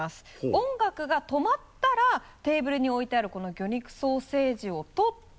音楽が止まったらテーブルに置いてあるこの魚肉ソーセージを取って。